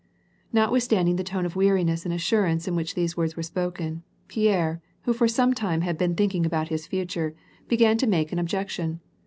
Notwithstanding the tone of weariness and assurance in which these words were spoken, Pierre, who for some time had been thinking about his future, began to make an objec tion.